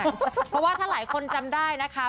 เพราะว่าถ้าหลายคนจำได้นะคะ